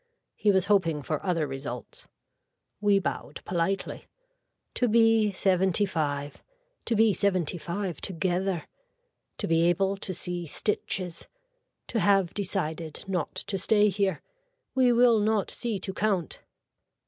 He was hoping for other results. We bowed politely. To be seventy five. To be seventy five together. To be able to see stitches. To have decided not to stay here. We will not see to count.